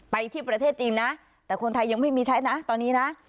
ไปที่ประเทศจีนนะแต่คนไทยยังไม่มีใช้นะตอนนี้นะ